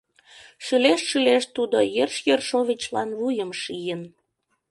— шӱлешт-шӱлешт тудо Ерш Ершовичлан вуйым шийын.